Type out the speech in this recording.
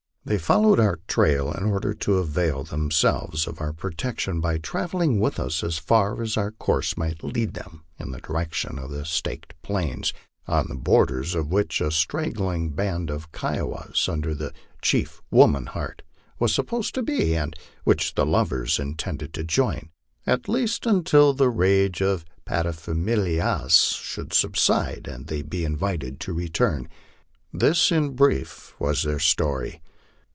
They followed our trail in order to avail themselves of our protection by travelling with us as far as our course might lead them in the direction of the Staked Plains, on the borders of which a straggling band of Kiowas, under the chief Woman Heart, was supposed to be, and which the lovers intended to join, at least until the rage of paterfamilias should subside and they be invi ted to return. This in brief was their story.